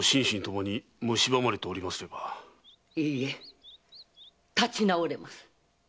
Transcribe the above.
いいえ立ち直れます！